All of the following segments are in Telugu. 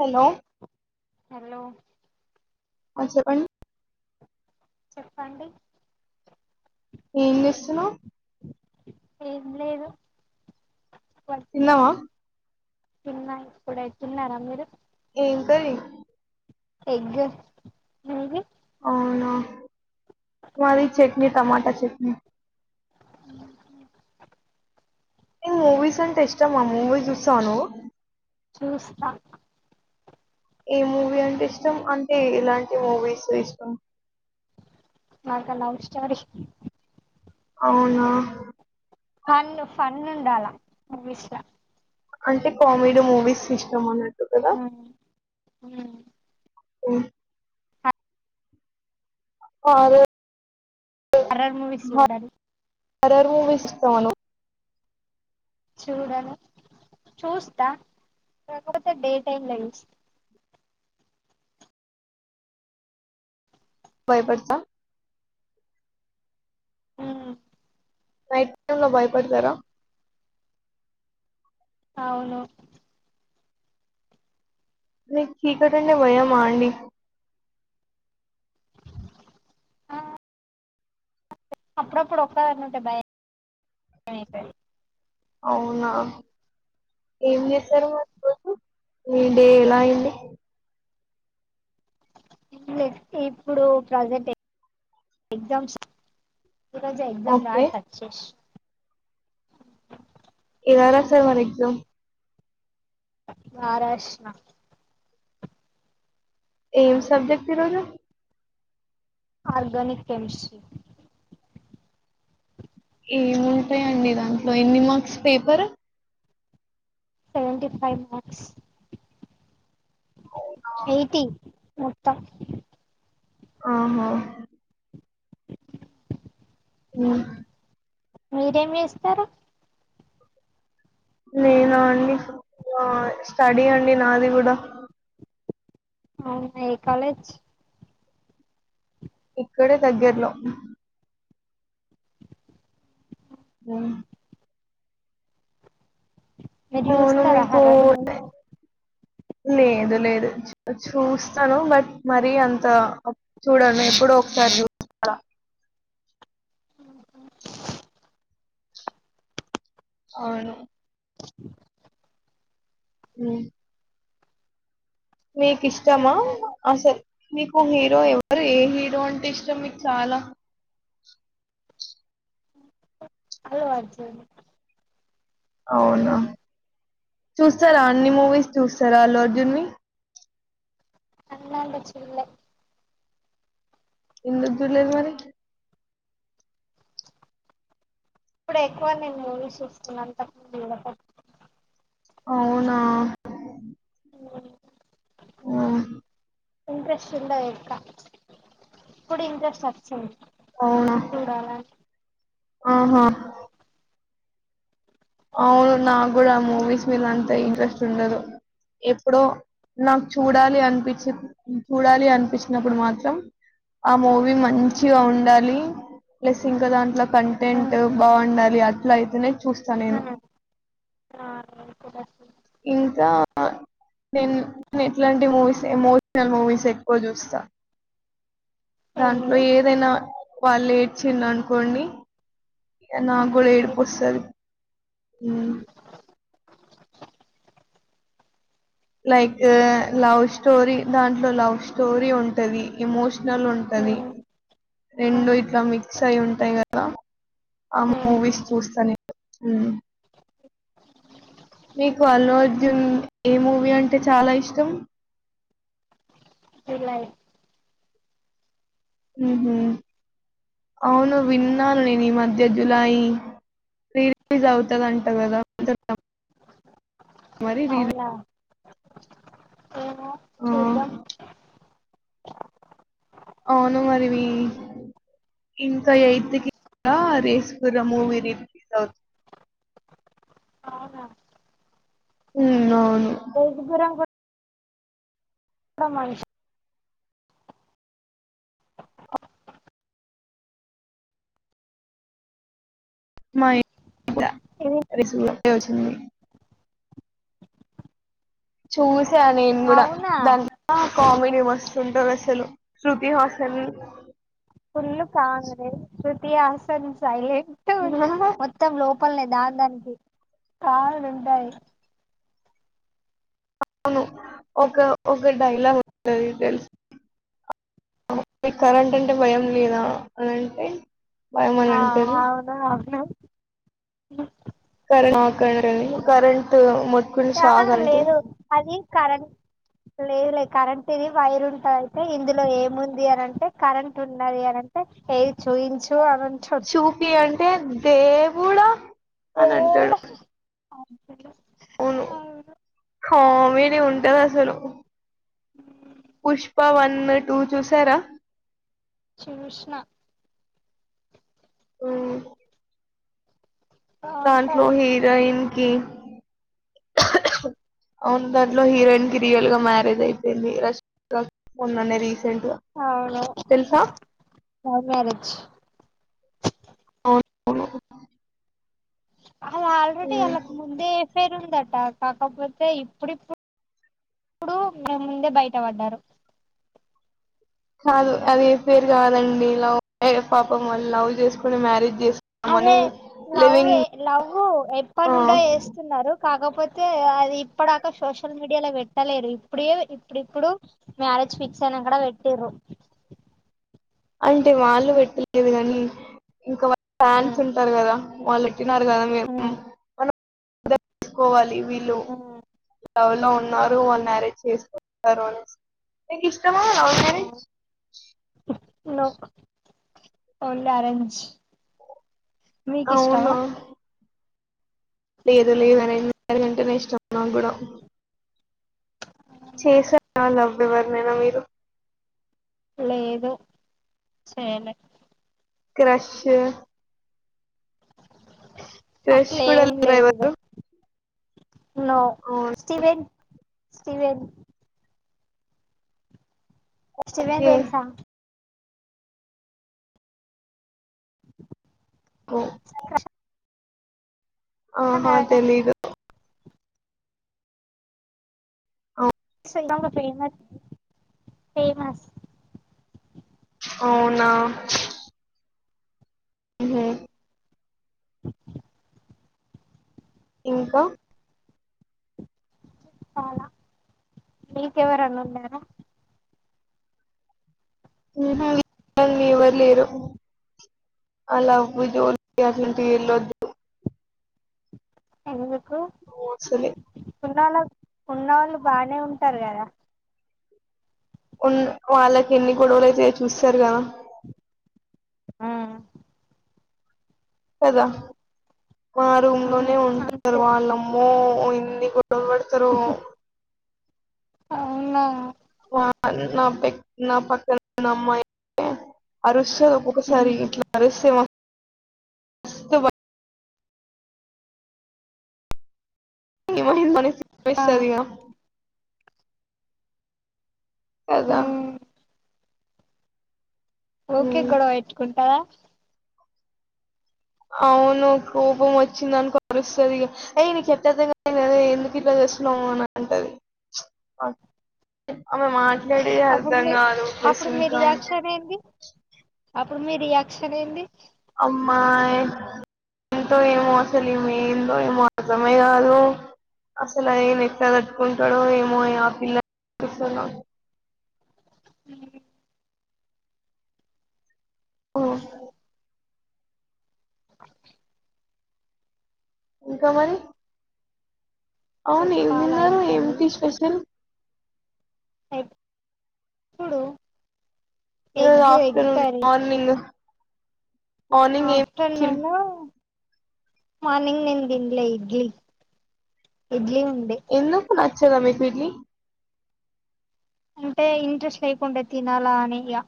హలో హలో ఆ చె [unintelligible] చెప్పండి ఏం చేస్తున్నావ్ ఏం లేదు వట్టిగాను తిన్నావా తిన్నా ఇప్పుడే తిన్నారా మీరు ఏం కర్రి ఎగ్ మీది అవునా మాది చెట్నీ టమాటా చెట్నీ మ్మ్ హ్మ్ ఎ మూవీస్ అంటే ఇష్టమా మూవీ జూస్సావ నువ్వు చూస్తా ఏ మూవీ అంటే ఇష్ టం అంటే ఇలాంటి మూవీస్ చే ఇష్టం దాని కన్న [inaudible] అవునా ఫన్ ఫన్ ఉండాలా మూవీస్ ల అంటే కామెడీ మూవీస్ ఇష్టం అన్నట్టు కదా మ్ ఓ ఆ హర్రర్ మూవీస్ చూడండి హర్రర్ మూవిస్ చూత్తవా నువ్వు చూడను చూస్తా లేకపోతే డే టైం లో చూస్తా భయపడతా ఉ నైట్ టైమ్ లో భయపడతరా అవును మీకు చీకటి అంటే భయమా అండి ఆ అప్పుడప్పుడు ఒక్క దాన్ని ఉంటే భయం అయితది అవునా ఏం చేసారు మరి ఈ రోజు మీ డే ఎలా అయింది లే ఇప్పుడు ప్రజెంట్ ఎ ఎగ్జామ్స్ రోజే ఎగ్జామ్ ఓకే రాసి వచ్చేశిన ఎలా రాసావ్ మరి ఎగ్జామ్ బాగా రాశిన ఏం సబ్జెక్ట్ ఈరోజు ఆర్గనిక్ కేెమిస్ట్రీ ఏముంటాయండి దాంట్లో ఎన్ని marks paper seventy five marks eighty మొత్తం ఆహా ఉ మీరేం చేస్తరు నేనా అండి ఆ స్టడీ అండి నాది కూడా అవునా ఏ కాలేజ్ ఇక్కడే దగ్గర్లో ఉ మీరు అవును చూస్తారా మీకు హార్రర్ మూవీ లేదు లేదు చూస్తాను బట్ మరి అంత చూడను ఎప్పుడో ఒకసారి చూస్తా అవును మ్ మీకు ఇష్టమా చెప్తాను అసలు మీకు హీరో ఎవరు ఏ హీరో అంటే ఇష్టం మీకు చాలా అల్లు అర్జున్ అవునా చూస్తారా అన్ని మూవీస్ చూస్ తురా అల్లుఅర్జున్ ని అన్నోళ్ళది చూడలా ఎందుకు చూడలేదు మరి ఇప్పుడు ఎక్కువ నేను మూవీస్ చూసుకున్నాను తకు అవునా ఉ ఆఓ ఇంట్రెస్ట్ ఇంద ఇక్క ఇప్పుడు ఇంట్రెస్ట్ వం అవునా ఆహా అవును నాకు కూడా ఆ మూవీస్ మీద అంత ఇంట్రెస్ట్ ఉండదు ఎప్పుడో నాకు చూడాలి అనిపించి చూడాలి అనిపించినప్పుడు మాత్రం ఆ మూవీ మంచిగా ఉండాలి ప్లస్ ఇంకా దాంట్లో ఆ కంటెంట్ బాగుండాలి అట్లా అయితేనే చూస్త ఆ నేను ఆ నేను కూడా చూడ ఇకా నేను నేను ఎట్లాంటి మూవీస్ ఎమోషనల్ మూవీస్ ఎక్కువ చూస్తా ఏం దాంట్లో మూవీ ఏదైనా వాళ్ళు ఏడ్చింది అనుకోండి నా ఆ కూడా ఏది ఏడిపుొస్తుంది లైక్ లవ్ స్టోరీ దాంట్లో లవ్ స్టోరీ ఉంటది ఎమోషనల్ ఉంటది ఉమ్ రెండు ఉమ్ ఇట్లా మిక్స్ అయి ఉంటాయి కదా ఆ ఉమ్ మూవీస్ చూస్తాను మీకు అల్లు అర్జున్ ఏ మూవీ అంటే చాలా ఇష్టం ఇలా అవును విన్నాను నేను ఈ మధ్య జులయి రీలీజ్ అవుతంది అంట కదా మరి రీదు అవునా చూద్దా అవును మరి ఇంకా ఎయిత్ క రేస్కుర మూవీ రిలీజ్ అవుతుంది అవునా ఉ అవును గరం కూడా ఇడ మంచిష మా ఇది వచ్చింది చూ అ నేను కూడా అవునా దాంత కామెడీ మస్తుంటారు అసలు శ్రృతి హాసన్ ఫుల్లు కా అంగే తే అసన్ సాయి ఇ పప్పల్లే దా దానికి కాళ్లు ఉంటాయి అవును ఒక ఒక డైలాగ్ ఉంటంది తెలుసి కరెంట్ అంటే భయం లేదా అని అంటే భయం అని అంటది ఆవునువును అ ర కరంట్ మ చా లేదు అది కరణ లేదు లేదు కరెంట్ ఇది వైర్ ఉంటది అయితే ఇందులో ఏముంది అనంటే కరెంట్ ఉన్నది అనింటే ఏది చూయించు తు అరం ఛత్ తె దవుడా అని అంటాడు దేవుడా అవును ఆ మీదే ఉంటద అసలు ఇనో అడిబుల్ పుష్ప వన్ టూ చూసారా శ్రీ క్నిష్ణ అ దాంట్లో బాగుంటాయి హీరోయిన్ కి అవును దాంట్లో హీరోయిన్ కి రియల్ గా మ్యారేజ్ అయిపోయింది రేష్మిక మొన్న అనేది రీసెంటుగ అవును తెలుసా లవ్ మ్యారేజ్ అవును అలా ఆల్రేడి అలాకి ముందే పేరుందట కాకపోతే ఇప్పుడిప్పుడు ఇప్పుడు ముందే బయట పడ్డారు కాదు అది పేరు కాదండి లవ్ పాపమ్ మళ్ళని లవ్ చేసుకుని మ్యారేజ్ చేసు అదే లవ్ ఎ లవ్వు ఎప్పడు ఆ నుండో వేస్తున్నారు కాకపోతే అయి ఇప్పుడాక సోషల్ మీడియాలో పెట్టలేరు ఇప్పుడే ఇప్పుడు ఇప్పుడు మ్యారేజ్ ఫిక్స్ అయినా కూడా పేట్టురు అంటే వాళ్ళు పెట్టలేదు కానీ ఇంకా వాళ్ ఫ్యాన్స్ ఉంటారు కదా వాళ్ళ క్ తిన్నారు కదా మే మ్ మనంసుకోవాలి వీళ్ళు లౌవు లో ఉన్నారు వాళ్ మ్యారేజ్ చేసుకుంటారు అనేసి నీకు ఇష్టమే అవు కారే జ్ నో ఓన్లీ ఆరెంజ్ మీకు ఇష్టవా లేదులేదు అరేంజ్ మ్యారేజ్ అంటే నే ఇష్టం న్నా గుడా చేశ్యా ఆలం ఎవర్ నైనా మీరు లేదు సే మే క్రష్ ఫ్రెష్ కూడా అట్లేం లేరా ఎవరు నోస్టివే న్ స్టీవెన్ శివే ఓకే తెలుసా కో ఆహా తెలిదు ఆ ఇందాకక్కడ ఉన్నార్ ఫేమస్ అవునా ఉహూ ఇంకా చాలా నీకు ఎవరన్న ఉన్నార ఊహు ఎవరు లేరు అలా [unintelligible] ఎందుకు హూ సరే ఉన్నోలక్ ఉన్నవాళ్ళు బానే ఉంటారు కదా ఉన్ వాళ్ళకి ఎన్ని గొడవలు అయితాయ్ చూసరు కదా ఆ కదా మా రూమ్ లోనే ఉంటారు అంతే వాళ్ళమ్మో ఓయింది గు బెడతరో అవునా నా నా పె నా పక్కనున్న అమ్మాయిఅరోజ్ సారి ఇట్లా ర సే త వై ఆ వసాది అదా ఓకే ఉమ్ గొడవ ఇట్కుంటారా అవును కోపం వచ్చింద అనుకోరుస్తుంది ఇక అయికు చెప్పదిద నద ఎందుకు ఇట్లా చేస్తున్నావు అని అంటది ఆమె మాట్లాడేది అప్పుడు అర్ధం మీ కా అప్పుడు మీ రపస్తుంట రియాక్షన్ ఏంది అప్పుడు మీ రియాక్షన్ ఏంటి అమ్మాయింతో ఏమో అసలు ఏమందో ఏమో అర్థమయ కాదు అసలు అది న ఎక్ట్టుకుంటాడుో ఏమో ఆ పిల్లలు హ ఓ ఇంకామని అవును ఏం చెప్పాలా తిన్నారు ఇంకా ఏమిటి స్పెషల్ అ ఇప్పుడు ఏ ఆఫ్టర్నూన్ మార్నింగు ఆఫ్టేర్నూను మార్నింగ్ నేన్ దిన్లే ఇడ్లీ ఇడ్లీ వు ఎందుకు నచ్చద మీ పెళ్లి అంటే ఇంట్రెస్ట్ లేకుండే తినలా అని ఇగ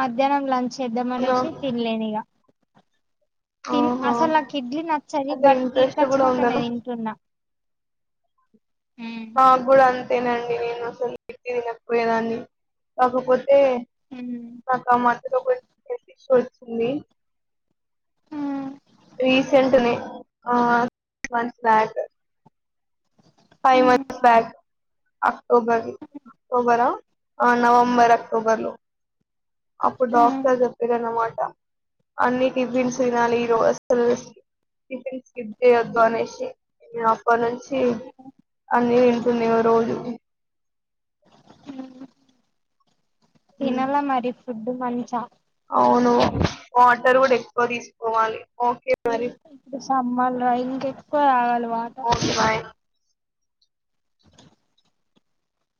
మధ్యానం లం చేద్దాం అవునా అనేసి తినలేనిగ తిన్ ఆహా అసలు నా కిడ్లీ నచ్చది అట్లా బట్ ఈడికి ఇంట్రెస్ట్ కూడా వచ్చినంకనే ఉండదు తింటున్న మాగూడ అంతేనండీ నేన్ అసోంటియ్ తినకపోయేదాన్ని కాకపోత్ తె నాకామందిలో వొయ్ పెద్దిష్యు రీసెంట్నే ఆ [unintelligible] months back five months back అ ఒబరి ఒబరా నవంబర్ అక్టోబర్ లో అప్పుడు డాక్టర్ చెప్పిరన్నమాట అన్ని టిఫిన్స్ తినాలి ఈ రో అసలు టిఫిన్స్ స్కిప్ జేయొద్దు అనేసి నేను అప్ప నుంచి అన్ని దింటున్న ఇగ రోజు ఊ తినల మరి ఇ ఫుడ్డు మంచ అవును వాటర్ కూడా ఎక్కువ తీసుకోవాలి ఓకే మరి ఇప్పుడు సమ్మర్ లా ఇంక ఎక్కువ తాగాలి వాటర్ ఓకే బాయ్